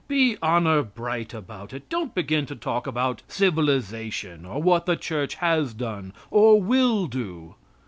Be honor bright about it. Don't begin to talk about civilization or what the church has done or will do.